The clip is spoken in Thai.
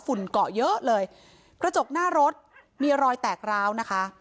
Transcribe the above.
เกาะเยอะเลยกระจกหน้ารถมีรอยแตกร้าวนะคะ